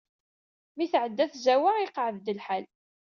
Mi tɛedda tzawwa, iqeɛɛed lḥal.